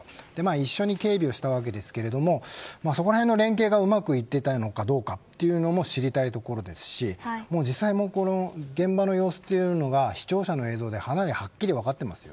一緒に警備をしたわけですがそこらへんの連携がうまくいっていたのかというところも知りたいですし現場の様子は視聴者の映像でかなりはっきり分かっています。